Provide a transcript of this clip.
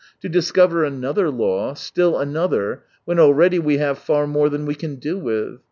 To discover another law — still another — when already we have far more than we can do with